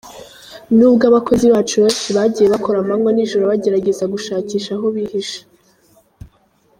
Nubwo abakozi bacu benshi bagiye bakora amanywa n’ijoro bagerageza gushakisha aho bihishe.